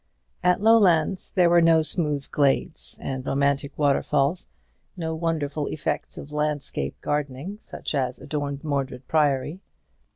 At Lowlands there were no smooth glades, and romantic waterfalls, no wonderful effects of landscape gardening, such as adorned Mordred Priory.